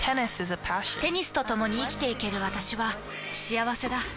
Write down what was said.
テニスとともに生きていける私は幸せだ。